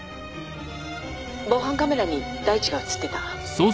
防犯カメラに大地が映ってた。